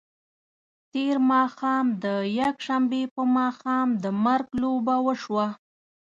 تېر ماښام د یکشنبې په ماښام د مرګ لوبه وشوه.